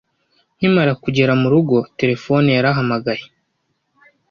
Nkimara kugera murugo, terefone yarahamagaye.